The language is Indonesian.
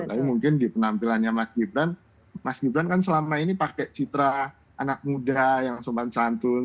tapi mungkin di penampilannya mas gibran mas gibran kan selama ini pakai citra anak muda yang sopan santun